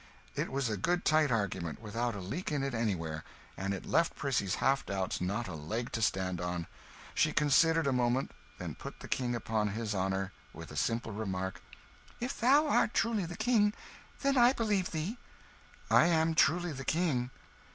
It was a good tight argument, without a leak in it anywhere; and it left Prissy's half doubts not a leg to stand on. She considered a moment, then put the King upon his honour with the simple remark "If thou art truly the King, then I believe thee." "I am truly the King."